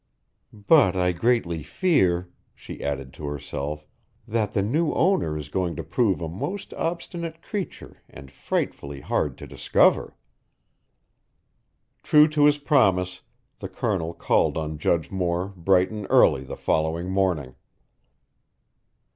"But I greatly fear," she added to herself, "that the new owner is going to prove a most obstinate creature and frightfully hard to discover." True to his promise, the Colonel called on Judge Moore bright and early the following morning.